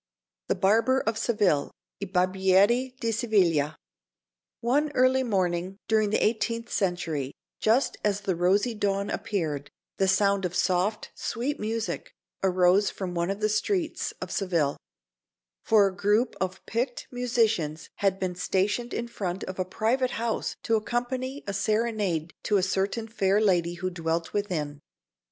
THE BARBER OF SEVILLE (Il Barbiere di Seviglia) One early morning during the eighteenth century, just as the rosy dawn appeared, the sound of soft, sweet music arose from one of the streets of Seville; for a group of picked musicians had been stationed in front of a private house to accompany a serenade to a certain fair lady who dwelt within.